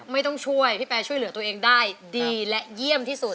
ไม่ต้องช่วยพี่แปรช่วยเหลือตัวเองได้ดีและเยี่ยมที่สุด